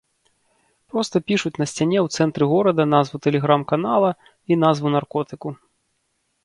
Проста пішуць на сцяне ў цэнтры горада назву тэлеграм-канала і назву наркотыку.